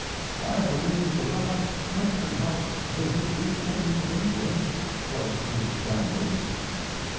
I believe the last country house visit we paid in England was to Stanley's.